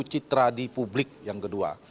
citra di publik yang kedua